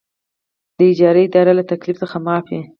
د اجاره دارۍ له تکلیف څخه معاف وي.